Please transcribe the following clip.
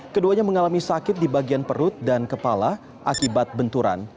keduanya mengalami sakit di bagian perut dan kepala akibat benturan